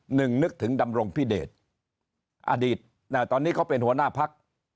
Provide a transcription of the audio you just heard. หนึ่งนึกถึงดำรงพิเดชอดีตตอนนี้เขาเป็นหัวหน้าพัก